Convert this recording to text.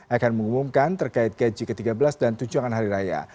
akan mengumumkan terkait gaji ke tiga belas dan tunjangan hari raya